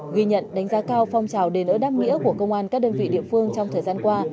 ghi nhận đánh giá cao phong trào đền ơn đáp nghĩa của công an các đơn vị địa phương trong thời gian qua